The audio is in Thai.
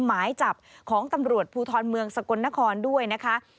หมายจับของตำรวจภูทรเมืองสกลนครด้วยนะคะ